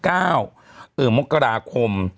ตื่นมกราคม